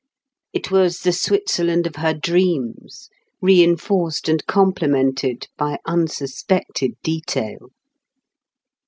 It was the Switzerland of her dreams, reinforced and complemented by unsuspected detail.